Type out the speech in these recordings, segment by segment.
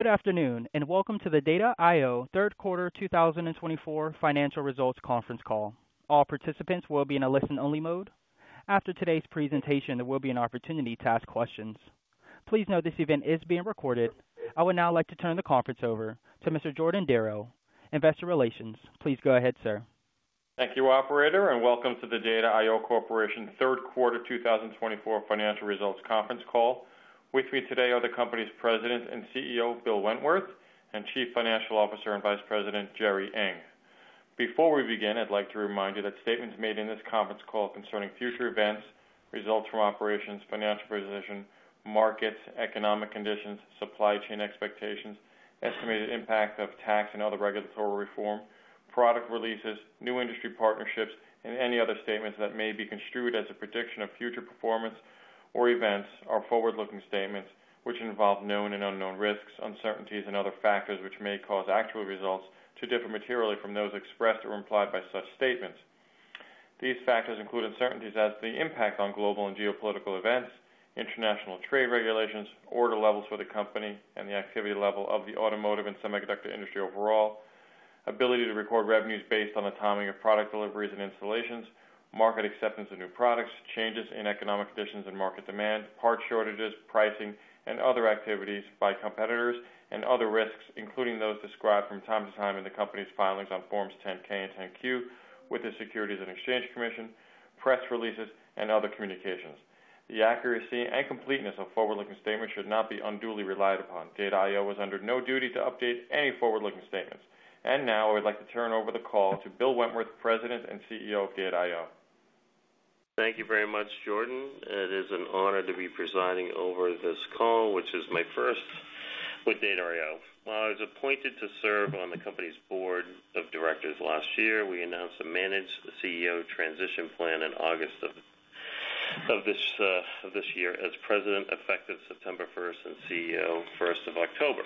Good afternoon, and welcome to the Data I/O third quarter 2024 financial results conference call. All participants will be in a listen-only mode. After today's presentation, there will be an opportunity to ask questions. Please note this event is being recorded. I would now like to turn the conference over to Mr. Jordan Darrow, Investor Relations. Please go ahead, sir. Thank you, operator, and welcome to the Data I/O Corporation third quarter two thousand and twenty-four financial results conference call. With me today are the company's President and CEO, Bill Wentworth, and Chief Financial Officer and Vice President, Jerry Ng. Before we begin, I'd like to remind you that statements made in this conference call concerning future events, results from operations, financial position, markets, economic conditions, supply chain expectations, estimated impact of tax and other regulatory reform, product releases, new industry partnerships, and any other statements that may be construed as a prediction of future performance or events are forward-looking statements which involve known and unknown risks, uncertainties, and other factors which may cause actual results to differ materially from those expressed or implied by such statements. These factors include uncertainties such as the impact on global and geopolitical events, international trade regulations, order levels for the company, and the activity level of the automotive and semiconductor industry overall. Ability to record revenues based on the timing of product deliveries and installations, market acceptance of new products, changes in economic conditions and market demand, part shortages, pricing, and other activities by competitors, and other risks, including those described from time to time in the company's filings on Forms 10-K and 10-Q with the Securities and Exchange Commission, press releases, and other communications. The accuracy and completeness of forward-looking statements should not be unduly relied upon. Data I/O is under no duty to update any forward-looking statements. And now I would like to turn over the call to Bill Wentworth, President and CEO of Data I/O. Thank you very much, Jordan. It is an honor to be presiding over this call, which is my first with Data I/O. I was appointed to serve on the company's board of directors last year. We announced a managed CEO transition plan in August of this year as President, effective September first, and CEO, first of October.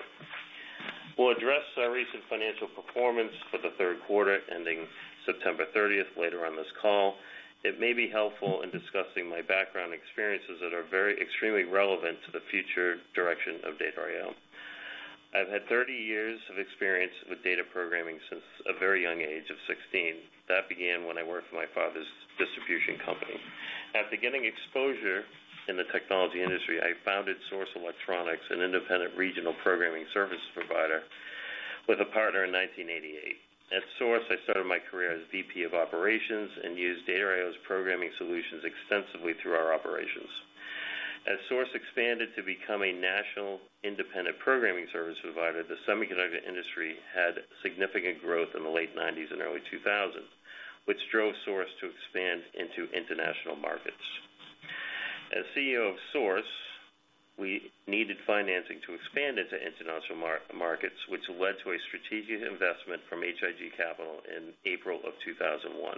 We'll address our recent financial performance for the third quarter, ending September thirtieth, later on this call. It may be helpful in discussing my background experiences that are very extremely relevant to the future direction of Data I/O. I've had thirty years of experience with data programming since a very young age of sixteen. That began when I worked for my father's distribution company. After getting exposure in the technology industry, I founded Source Electronics, an independent regional programming services provider, with a partner in nineteen eighty-eight. At Source, I started my career as VP of Operations and used Data I/O's programming solutions extensively through our operations. As Source expanded to become a national independent programming service provider, the semiconductor industry had significant growth in the late nineties and early two thousands, which drove Source to expand into international markets. As CEO of Source, we needed financing to expand into international markets, which led to a strategic investment from H.I.G. Capital in April of two thousand and one.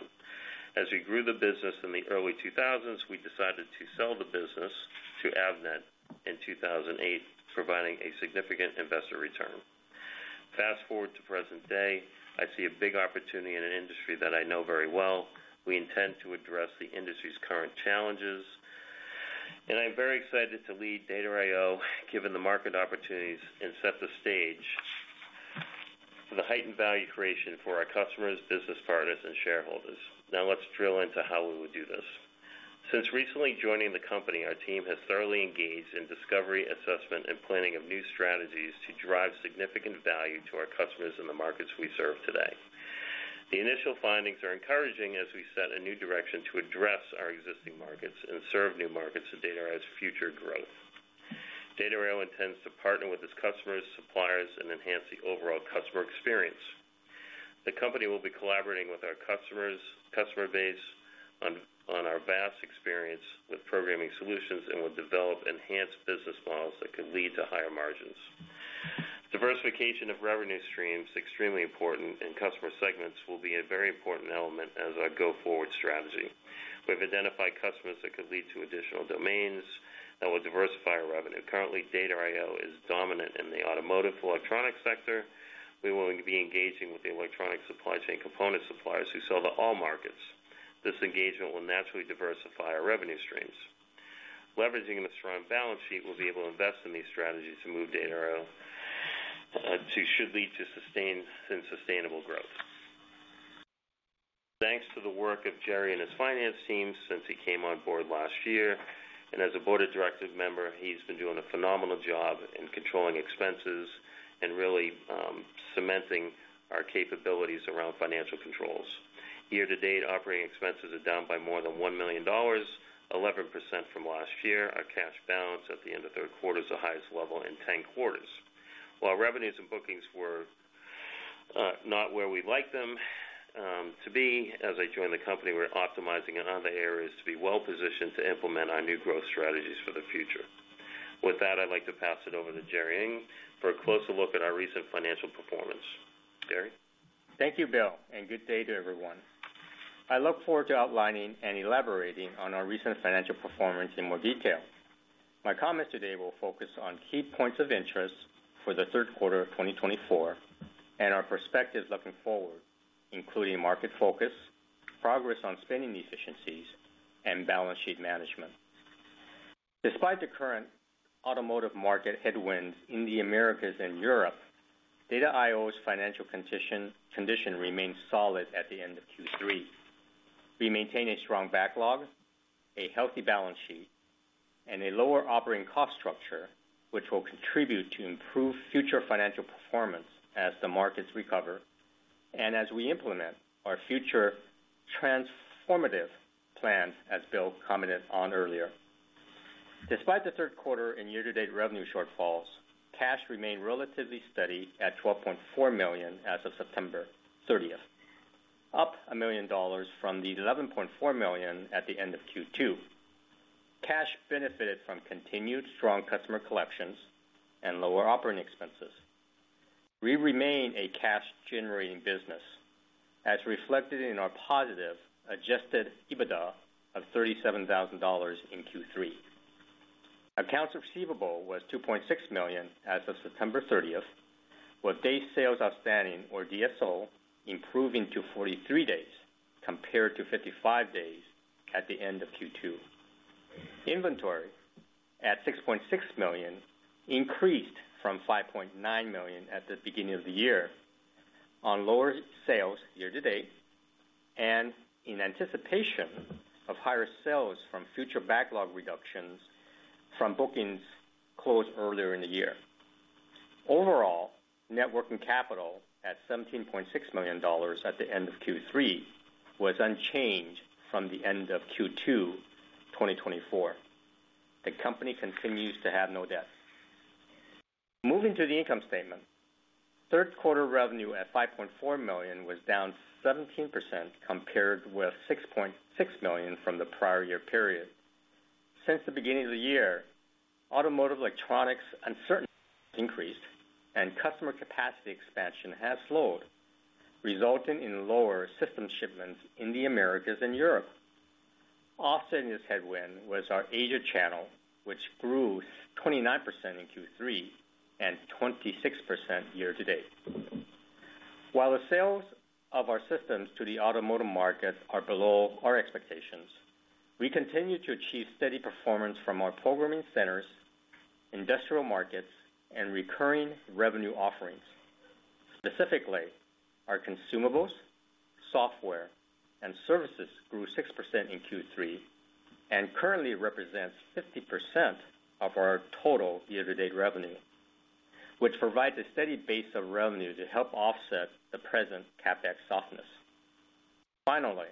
As we grew the business in the early two thousands, we decided to sell the business to Avnet in two thousand and eight, providing a significant investor return. Fast forward to present day, I see a big opportunity in an industry that I know very well. We intend to address the industry's current challenges, and I'm very excited to lead Data I/O, given the market opportunities, and set the stage for the heightened value creation for our customers, business partners, and shareholders. Now, let's drill into how we will do this. Since recently joining the company, our team has thoroughly engaged in discovery, assessment, and planning of new strategies to drive significant value to our customers in the markets we serve today. The initial findings are encouraging as we set a new direction to address our existing markets and serve new markets to Data I/O's future growth. Data I/O intends to partner with its customers, suppliers, and enhance the overall customer experience. The company will be collaborating with our customers, customer base on our vast experience with programming solutions and will develop enhanced business models that could lead to higher margins. Diversification of revenue stream is extremely important, and customer segments will be a very important element as our go-forward strategy. We've identified customers that could lead to additional domains that will diversify our revenue. Currently, Data I/O is dominant in the automotive electronics sector. We will be engaging with the electronic supply chain component suppliers who sell to all markets. This engagement will naturally diversify our revenue streams. Leveraging the strong balance sheet, we'll be able to invest in these strategies to move Data I/O to should lead to sustained and sustainable growth. Thanks to the work of Jerry and his finance team since he came on board last year, and as a board of directors member, he's been doing a phenomenal job in controlling expenses and really, cementing our capabilities around financial controls. Year-to-date, operating expenses are down by more than $1 million, 11% from last year. Our cash balance at the end of the third quarter is the highest level in 10 quarters. While revenues and bookings were not where we'd like them to be, as I joined the company, we're optimizing in other areas to be well-positioned to implement our new growth strategies for the future. With that, I'd like to pass it over to Jerry Ng for a closer look at our recent financial performance. Jerry? Thank you, Bill, and good day to everyone. I look forward to outlining and elaborating on our recent financial performance in more detail. My comments today will focus on key points of interest for the third quarter of twenty twenty-four and our perspectives looking forward, including market focus, progress on spending efficiencies, and balance sheet management.... Despite the current automotive market headwinds in the Americas and Europe, Data I/O's financial condition remains solid at the end of Q3. We maintain a strong backlog, a healthy balance sheet, and a lower operating cost structure, which will contribute to improved future financial performance as the markets recover and as we implement our future transformative plans, as Bill commented on earlier. Despite the third quarter and year-to-date revenue shortfalls, cash remained relatively steady at $12.4 million as of September thirtieth, up $1 million from the $11.4 million at the end of Q2. Cash benefited from continued strong customer collections and lower operating expenses. We remain a cash-generating business, as reflected in our positive Adjusted EBITDA of $37,000 in Q3. Accounts receivable was $2.6 million as of September thirtieth, with days sales outstanding, or DSO, improving to 43 days, compared to 55 days at the end of Q2. Inventory, at $6.6 million, increased from $5.9 million at the beginning of the year on lower sales year-to-date and in anticipation of higher sales from future backlog reductions from bookings closed earlier in the year. Overall, net working capital at $17.6 million at the end of Q3 was unchanged from the end of Q2, 2024. The company continues to have no debt. Moving to the income statement. Third quarter revenue at $5.4 million was down 17%, compared with $6.6 million from the prior year period. Since the beginning of the year, automotive electronics uncertainty increased, and customer capacity expansion has slowed, resulting in lower system shipments in the Americas and Europe. Offsetting this headwind was our Asia channel, which grew 29% in Q3 and 26% year-to-date. While the sales of our systems to the automotive market are below our expectations, we continue to achieve steady performance from our programming centers, industrial markets, and recurring revenue offerings. Specifically, our consumables, software, and services grew 6% in Q3 and currently represents 50% of our total year-to-date revenue, which provides a steady base of revenue to help offset the present CapEx softness. Finally,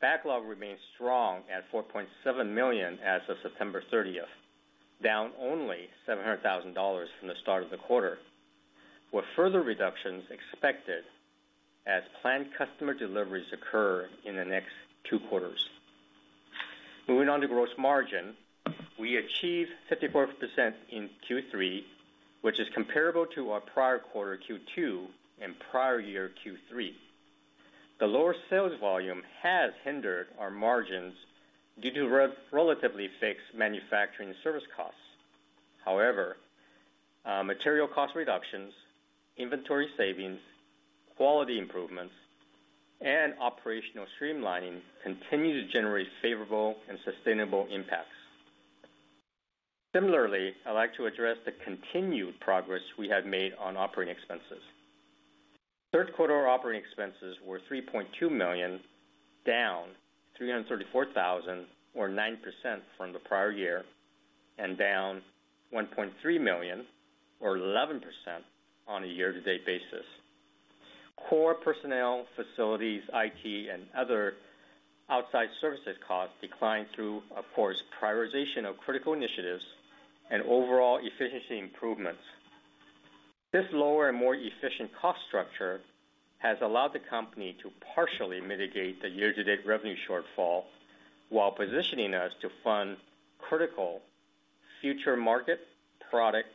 backlog remains strong at $4.7 million as of September thirtieth, down only $700,000 from the start of the quarter, with further reductions expected as planned customer deliveries occur in the next two quarters. Moving on to gross margin. We achieved 54% in Q3, which is comparable to our prior quarter, Q2, and prior year, Q3. The lower sales volume has hindered our margins due to relatively fixed manufacturing service costs. However, material cost reductions, inventory savings, quality improvements, and operational streamlining continue to generate favorable and sustainable impacts. Similarly, I'd like to address the continued progress we have made on operating expenses. Third quarter operating expenses were $3.2 million, down $334,000, or 9%, from the prior year, and down $1.3 million, or 11%, on a year-to-date basis. Core personnel, facilities, IT, and other outside services costs declined through, of course, prioritization of critical initiatives and overall efficiency improvements. This lower and more efficient cost structure has allowed the company to partially mitigate the year-to-date revenue shortfall, while positioning us to fund critical future market, product,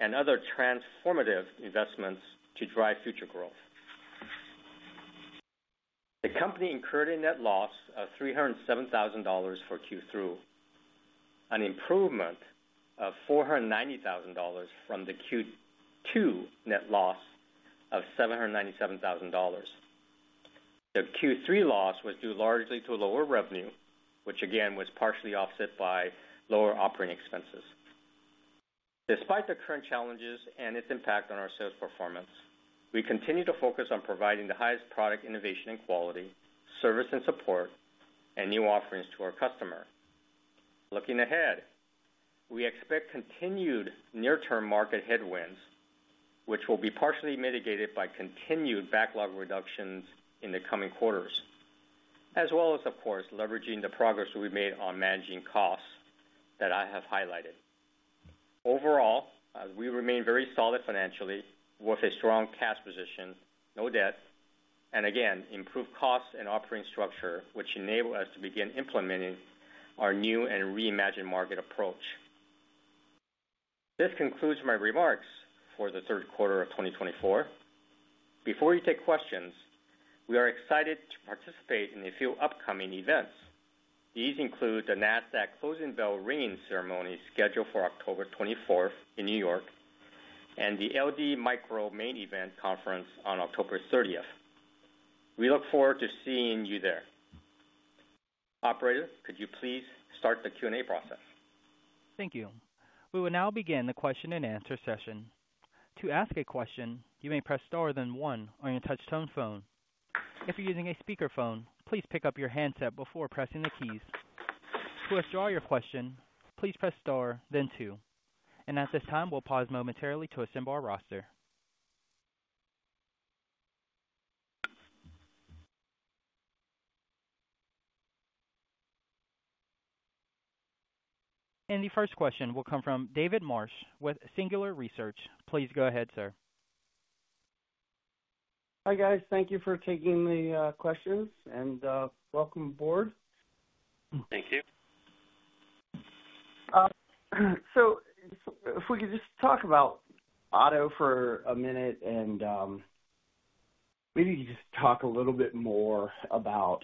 and other transformative investments to drive future growth. The company incurred a net loss of $307,000 for Q3, an improvement of $490,000 from the Q2 net loss of $797,000. The Q3 loss was due largely to lower revenue, which again, was partially offset by lower operating expenses. Despite the current challenges and its impact on our sales performance, we continue to focus on providing the highest product innovation and quality, service and support, and new offerings to our customer. Looking ahead, we expect continued near-term market headwinds, which will be partially mitigated by continued backlog reductions in the coming quarters, as well as, of course, leveraging the progress we've made on managing costs that I have highlighted. Overall, we remain very solid financially, with a strong cash position, no debt, and again, improved costs and operating structure, which enable us to begin implementing our new and reimagined market approach. This concludes my remarks for the third quarter of twenty twenty-four. Before we take questions, we are excited to participate in a few upcoming events. These include the Nasdaq closing bell ringing ceremony, scheduled for October twenty-fourth in New York, and the LD Micro Main Event conference on October thirtieth. We look forward to seeing you there. Operator, could you please start the Q&A process? Thank you. We will now begin the question-and-answer session. To ask a question, you may press star, then one on your touchtone phone. If you're using a speakerphone, please pick up your handset before pressing the keys. To withdraw your question, please press star then two. And at this time, we'll pause momentarily to assemble our roster. And the first question will come from David Marsh with Singular Research. Please go ahead, sir. Hi, guys. Thank you for taking the questions, and welcome aboard. Thank you. So if we could just talk about auto for a minute, and maybe just talk a little bit more about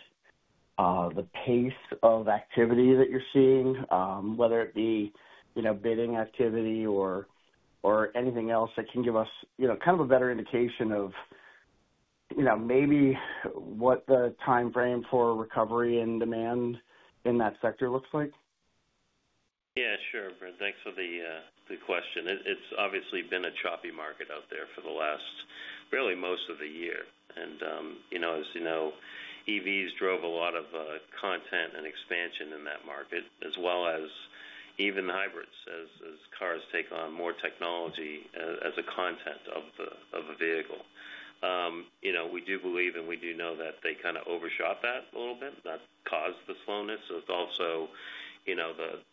the pace of activity that you're seeing, whether it be, you know, bidding activity or anything else that can give us, you know, kind of a better indication of, you know, maybe what the timeframe for recovery and demand in that sector looks like. Yeah, sure. Brad, thanks for the question. It's obviously been a choppy market out there for the last, really, most of the year, and you know, as you know, EVs drove a lot of content and expansion in that market, as well as even hybrids, as cars take on more technology, as a content of a vehicle. You know, we do believe, and we do know that they kind of overshot that a little bit. That caused the slowness, so it's also, you know,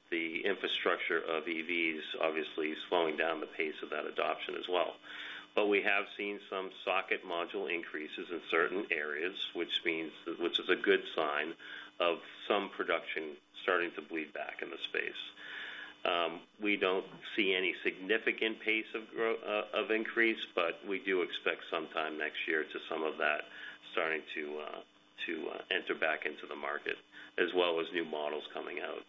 the infrastructure of EVs obviously is slowing down the pace of that adoption as well, but we have seen some socket module increases in certain areas, which is a good sign of some production starting to bleed back in the space. We don't see any significant pace of growth or increase, but we do expect sometime next year some of that starting to enter back into the market, as well as new models coming out.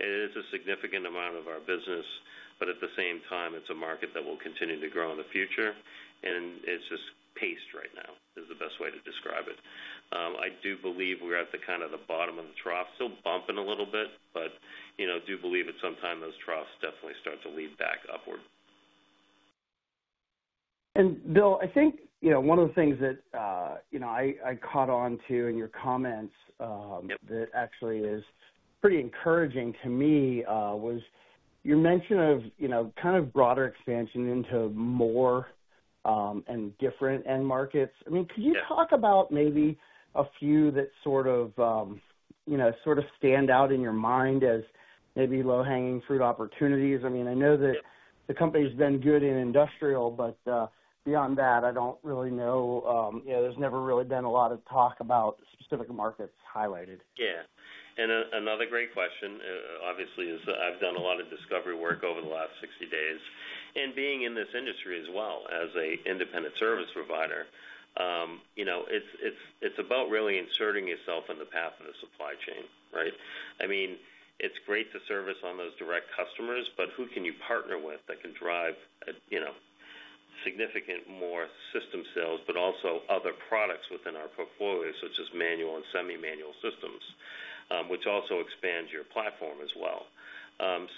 It is a significant amount of our business, but at the same time, it's a market that will continue to grow in the future, and it's just paced right now, is the best way to describe it. I do believe we're at the bottom of the trough, still bumping a little bit, but you know, do believe at some time those troughs definitely start to lead back upward. Bill, I think, you know, one of the things that, you know, I caught on to in your comments, Yep - that actually is pretty encouraging to me, was your mention of, you know, kind of broader expansion into more, and different end markets. Yeah. I mean, could you talk about maybe a few that sort of, you know, sort of stand out in your mind as maybe low-hanging fruit opportunities? I mean, I know that the company's been good in industrial, but, beyond that, I don't really know. You know, there's never really been a lot of talk about specific markets highlighted. Yeah. And another great question, obviously, is I've done a lot of discovery work over the last 60 days. And being in this industry as well as an independent service provider, you know, it's about really inserting yourself in the path of the supply chain, right? I mean, it's great to service on those direct customers, but who can you partner with that can drive, you know, significant more system sales, but also other products within our portfolio, such as manual and semi-manual systems, which also expands your platform as well.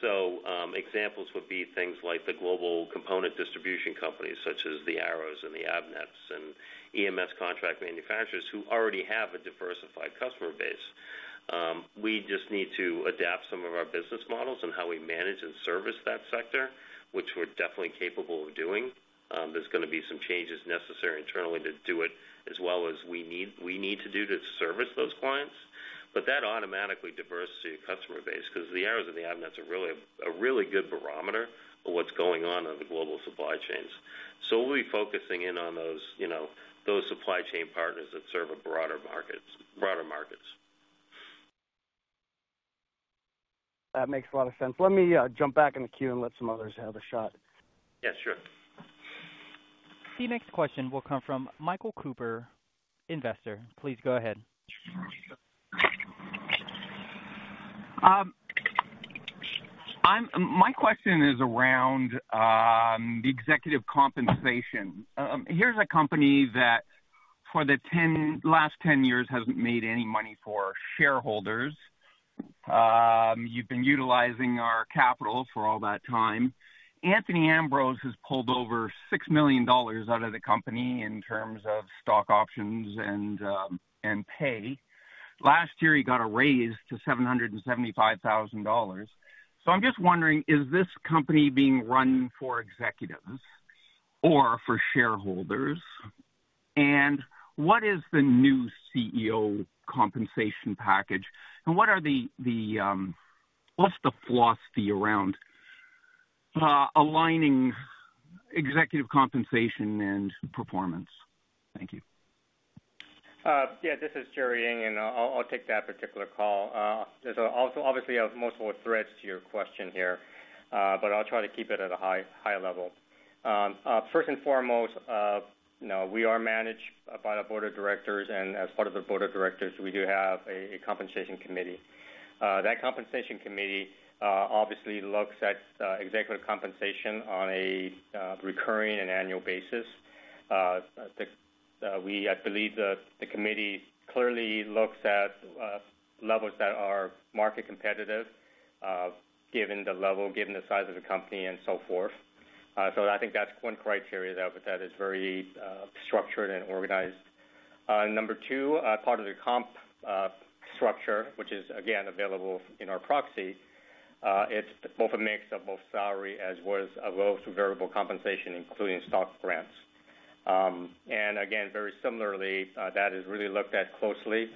So, examples would be things like the global component distribution companies, such as the Arrows and the Avnets and EMS contract manufacturers who already have a diversified customer base. We just need to adapt some of our business models and how we manage and service that sector, which we're definitely capable of doing. There's going to be some changes necessary internally to do it, as well as we need to do to service those clients. But that automatically diversifies your customer base because the Arrows and the Avnets are really a really good barometer of what's going on in the global supply chains. So we'll be focusing in on those, you know, those supply chain partners that serve a broader markets. That makes a lot of sense. Let me jump back in the queue and let some others have a shot. Yeah, sure. The next question will come from Michael Cooper, investor. Please go ahead. My question is around the executive compensation. Here's a company that for the last 10 years, hasn't made any money for shareholders. You've been utilizing our capital for all that time. Anthony Ambrose has pulled over $6 million out of the company in terms of stock options and pay. Last year, he got a raise to $775,000. So I'm just wondering, is this company being run for executives or for shareholders? And what is the new CEO compensation package? And what's the philosophy around aligning executive compensation and performance? Thank you. Yeah, this is Jerry Ng, and I'll take that particular call. There's obviously multiple threads to your question here, but I'll try to keep it at a high level. First and foremost, you know, we are managed by the board of directors, and as part of the board of directors, we do have a compensation committee. That compensation committee obviously looks at executive compensation on a recurring and annual basis. I believe that the committee clearly looks at levels that are market competitive, given the level, given the size of the company and so forth. So I think that's one criteria that, but that is very structured and organized. Number two, part of the comp structure, which is, again, available in our proxy. It's both a mix of both salary as well as a lot of variable compensation, including stock grants, and again, very similarly, that is really looked at closely.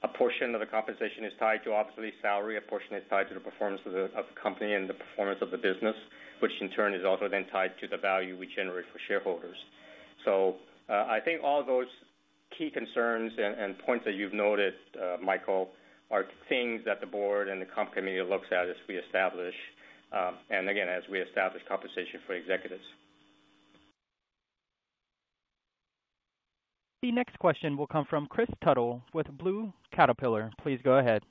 A portion of the compensation is tied to, obviously, salary. A portion is tied to the performance of the company and the performance of the business, which in turn is also then tied to the value we generate for shareholders. I think all those key concerns and points that you've noted, Michael, are things that the board and the comp committee looks at as we establish, and again, as we establish compensation for executives. The next question will come from Kris Tuttle with Blue Caterpillar. Please go ahead.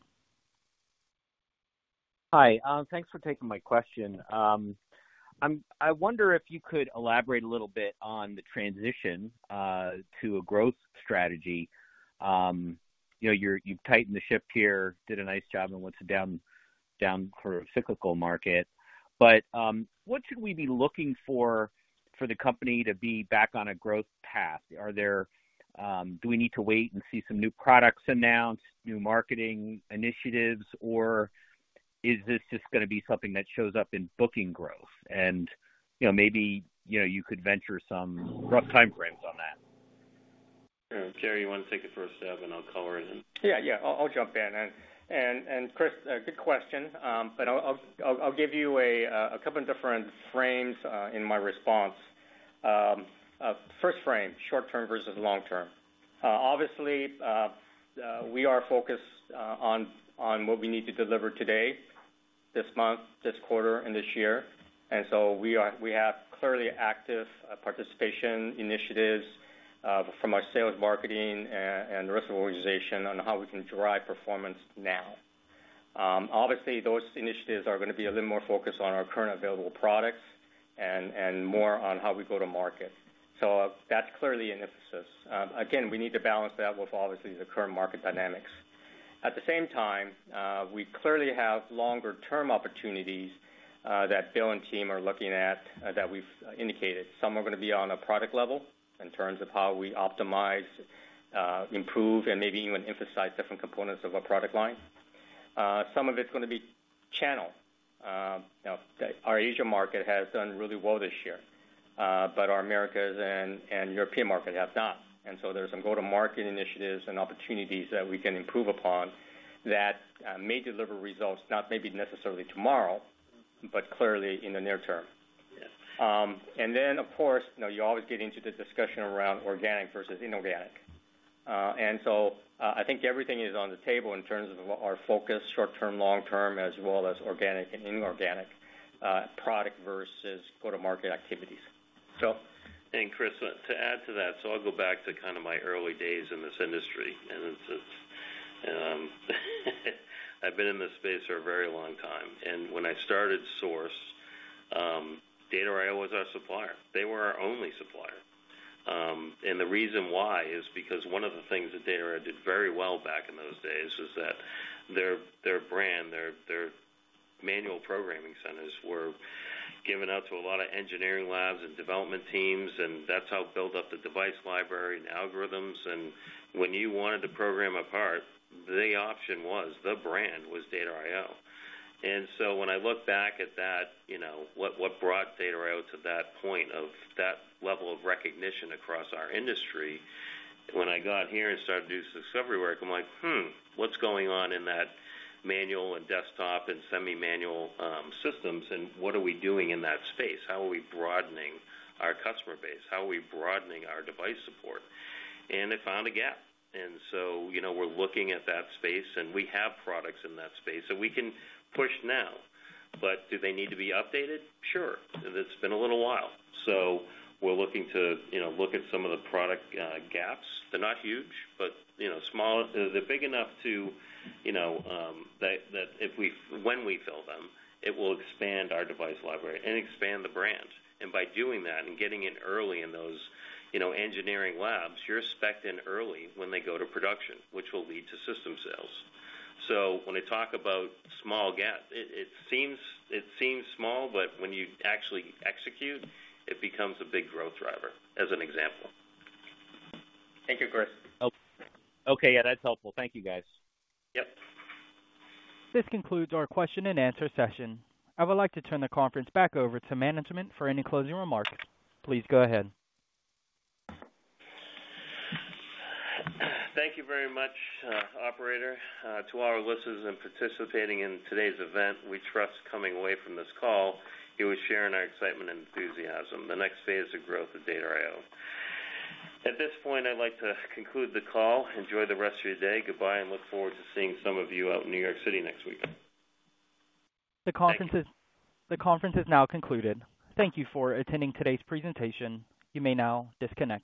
Hi, thanks for taking my question. I wonder if you could elaborate a little bit on the transition to a growth strategy. You know, you've tightened the ship here, did a nice job and went down for a cyclical market. But, what should we be looking for for the company to be back on a growth path? Do we need to wait and see some new products announced, new marketing initiatives, or is this just gonna be something that shows up in booking growth? And, you know, maybe, you know, you could venture some rough timeframes on that. Sure. Jerry, you want to take a first stab, and I'll chime in? Yeah, I'll jump in, and Kris, good question. But I'll give you a couple of different frames in my response. First frame, short term versus long term. Obviously, we are focused on what we need to deliver today, this month, this quarter, and this year, and so we have clearly active participation initiatives from our sales, marketing, and the rest of the organization on how we can drive performance now. Obviously, those initiatives are gonna be a little more focused on our current available products and more on how we go to market, so that's clearly an emphasis. Again, we need to balance that with obviously the current market dynamics. At the same time, we clearly have longer term opportunities that Bill and team are looking at, that we've indicated. Some are gonna be on a product level in terms of how we optimize, improve, and maybe even emphasize different components of our product line. Some of it's gonna be channel. Our Asia market has done really well this year, but our Americas and Europe market have not. And so there's some go-to-market initiatives and opportunities that we can improve upon that may deliver results, not maybe necessarily tomorrow, but clearly in the near term. And then, of course, you know, you always get into the discussion around organic versus inorganic. And so, I think everything is on the table in terms of our focus, short term, long term, as well as organic and inorganic, product versus go-to-market activities. So- And Kris, to add to that, so I'll go back to kind of my early days in this industry, and it's, I've been in this space for a very long time, and when I started Source, Data I/O was our supplier. They were our only supplier. And the reason why is because one of the things that Data I/O did very well back in those days was that their brand, their manual programming centers were given out to a lot of engineering labs and development teams, and that's how it built up the device library and algorithms. And when you wanted to program a part, the option was, the brand was Data I/O. And so when I look back at that, you know, what, what brought Data I/O to that point of that level of recognition across our industry, when I got here and started to do discovery work, I'm like, "Hmm, what's going on in that manual and desktop and semi-manual systems, and what are we doing in that space? How are we broadening our customer base? How are we broadening our device support?" And I found a gap. And so, you know, we're looking at that space, and we have products in that space, so we can push now. But do they need to be updated? Sure. It's been a little while, so we're looking to, you know, look at some of the product gaps. They're not huge, but, you know, small... They're big enough to, you know, that when we fill them, it will expand our device library and expand the brand, and by doing that and getting in early in those, you know, engineering labs, you're spec'd in early when they go to production, which will lead to system sales, so when I talk about small gaps, it seems small, but when you actually execute, it becomes a big growth driver, as an example. Thank you, Kris. Oh, okay. Yeah, that's helpful. Thank you, guys. Yep. This concludes our question and answer session. I would like to turn the conference back over to management for any closing remarks. Please go ahead. Thank you very much, operator. To all our listeners participating in today's event, we trust coming away from this call, you are sharing our excitement and enthusiasm, the next phase of growth of Data I/O. At this point, I'd like to conclude the call. Enjoy the rest of your day. Goodbye, and look forward to seeing some of you out in New York City next week. The conference is now concluded. Thank you for attending today's presentation. You may now disconnect.